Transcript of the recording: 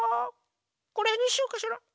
これにしようかしら？